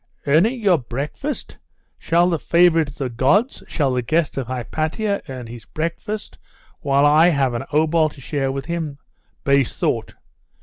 'Earning your breakfast! Shall the favourite of the gods shall the guest of Hypatia earn his breakfast, while I have an obol to share with him? Base thought!